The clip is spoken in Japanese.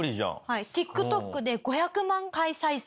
はいＴｉｋＴｏｋで５００万回再生。